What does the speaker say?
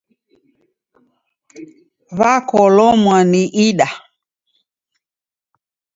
Wakolomwa ni ida.